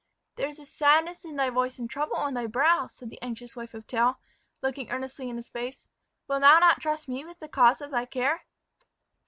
"There is a sadness in thy voice and trouble on thy brow," said the anxious wife of Tell, looking earnestly in his face. "Wilt thou not trust me with the cause of thy care?"